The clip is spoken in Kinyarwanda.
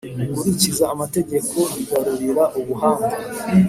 ukurikiza amategeko yigarurira ubuhanga